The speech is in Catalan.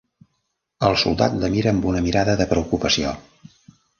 El soldat la mira amb una mirada de preocupació.